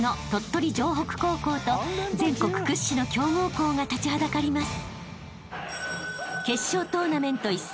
［全国屈指の強豪校が立ちはだかります］